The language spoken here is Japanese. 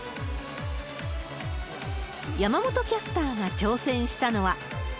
山本キャスターが挑戦したのは。